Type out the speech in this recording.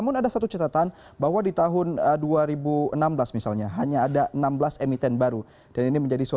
penduduk penduduk dunia yang berkualitas